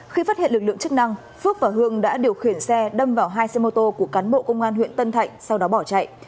khi phát hiện lực lượng chức năng phước và hương đã điều khiển xe đâm vào hai xe mô tô của cán bộ công an huyện tân thạnh sau đó bỏ chạy